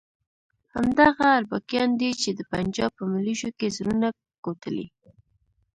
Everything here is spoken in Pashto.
همدغه اربکیان دي چې د پنجاب په ملیشو کې زړونه کوټلي.